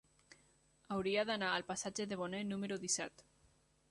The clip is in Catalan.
Hauria d'anar al passatge de Boné número disset.